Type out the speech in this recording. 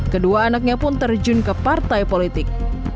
kedua anaknya pun terjun ke partai politik